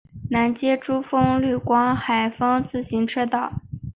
南接竹风绿光海风自行车道。